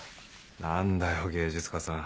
何だよ芸術家さん。